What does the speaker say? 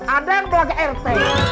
ada yang belaga rt